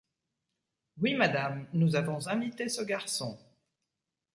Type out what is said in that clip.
Oui, madame, nous avons invité ce garçon.